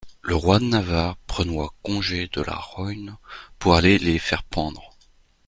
Le roi de Navarre prenoit congé de la royne pour aller les faire pendre.